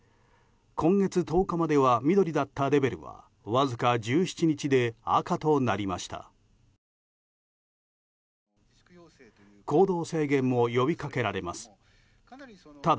今月１０日までは緑だったレベルは、わずか１７日で赤となりました。